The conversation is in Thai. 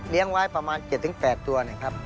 เลี้ยงไว้ประมาณ๗๘ตัวนะครับ